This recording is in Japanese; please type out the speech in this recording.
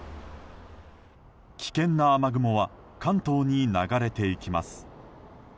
危険な雨雲は関東に流れていきます。